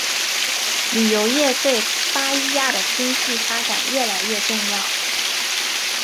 旅游业对巴伊亚的经济发展越来越重要。